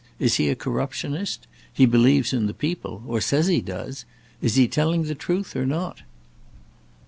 Is he a corruptionist? He believes in the people, or says he does. Is he telling the truth or not?"